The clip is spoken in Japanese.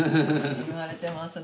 言われてますね。